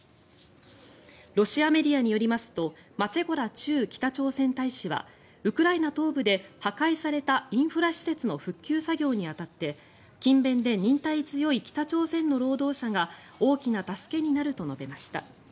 ロシアメディアによりますとマツェゴラ駐北朝鮮大使はウクライナ東部で破壊されたインフラ施設の復旧作業に当たって勤勉で忍耐強い北朝鮮の労働者が大きな助けになると述べました。